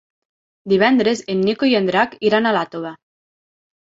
Divendres en Nico i en Drac iran a Iàtova.